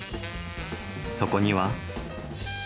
そこには。